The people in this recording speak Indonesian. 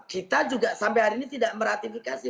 kita juga sampai hari ini tidak meratifikasi